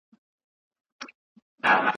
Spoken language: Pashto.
زه غزل درته لیکمه ته به نه وایې بل چاته